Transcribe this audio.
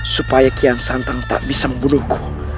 supaya kian santang tak bisa membunuhku